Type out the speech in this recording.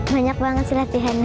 banyak banget sih latihannya